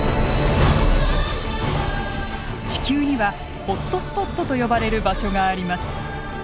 地球にはホットスポットと呼ばれる場所があります。